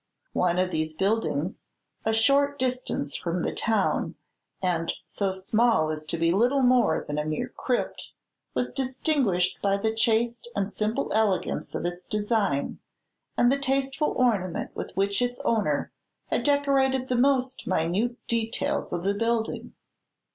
One of these buildings, a short distance from the town, and so small as to be little more than a mere crypt, was distinguished by the chaste and simple elegance of its design, and the tasteful ornament with which its owner had decorated the most minute details of the building.